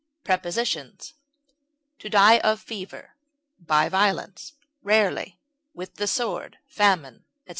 Prepositions: To die of fever; by violence; rarely, with the sword, famine, etc.